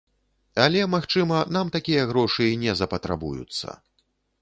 Але, магчыма, нам такія грошы і не запатрабуюцца.